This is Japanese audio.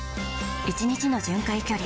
１日の巡回距離